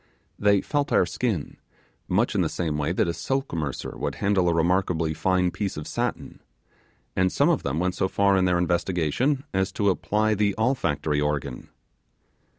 They felt our skin, much in the same way that a silk mercer would handle a remarkably fine piece of satin; and some of them went so far in their investigation as to apply the olfactory organ.